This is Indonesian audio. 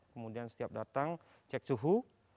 kemudian setiap datang cek suhu